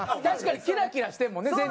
確かにキラキラしてるもんね